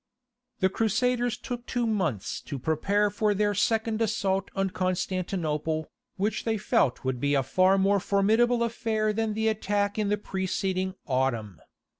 The Crusaders took two months to prepare for their second assault on Constantinople, which they felt would be a far more formidable affair than the attack in the preceding autumn.